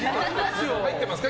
入ってますか？